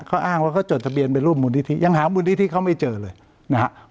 เขาอ้างว่าเขาจดทะเบียนเป็นรูปมูลนิธิยังหามูลนิธิเขาไม่เจอเลยนะครับ